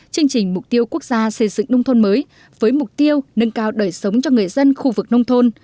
chương trình mục tiêu quốc gia xây dựng nông thôn mới với mục tiêu nâng cao đời sống cho người dân khu vực nông thôn